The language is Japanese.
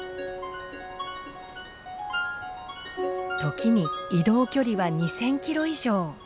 時に移動距離は２，０００キロ以上。